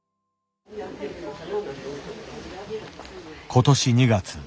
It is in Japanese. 今年２月。